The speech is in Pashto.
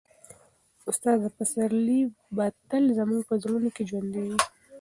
استاد پسرلی به تل زموږ په زړونو کې ژوندی وي.